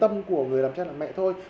tâm hồn của người làm cha là mẹ thôi